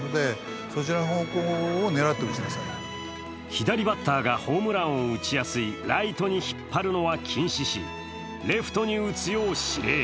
左バッターがホームランを打ちやすいライトに引っ張るのは禁止し、レフトに打つよう指令。